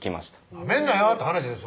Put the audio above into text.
なめんなよって話ですよ